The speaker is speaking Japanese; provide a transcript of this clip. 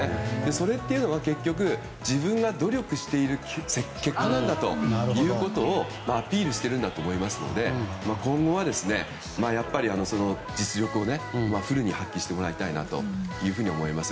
それというのは結局自分が努力している結果なんだとアピールしているんだと思いますので、今後は実力をフルに発揮してもらいたいなと思います。